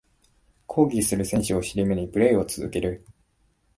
抗議する選手を尻目にプレイを続ける